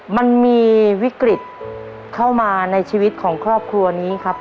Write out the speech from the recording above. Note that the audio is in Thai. มันมีวิกฤตเข้ามาในชีวิตของครอบครัวนี้ครับ